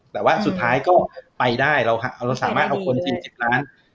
แต่ว่าสุดท้ายก็ไปได้เราสามารถเอาคนกิน๗ล้าน